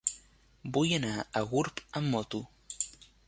Vull anar a Gurb amb moto.